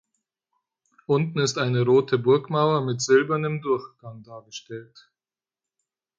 Unten ist eine rote Burgmauer mit silbernem Durchgang dargestellt.